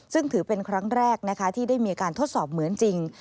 ซึ่งถือเป็นครั้งแรกนะคะที่ได้มีการทดสอบเหมือนจริง